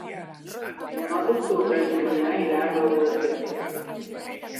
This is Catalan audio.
El nou d'octubre en Julià irà a Roda de Ter.